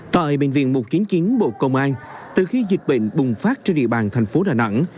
tại bệnh viện mục kiến kiến bộ công an từ khi dịch bệnh bùng phát trên địa bàn thành phố đà nẵng